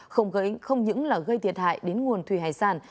không những là gây thiệt hại đến nguồn thủy hải sản